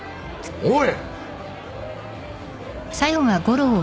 おい！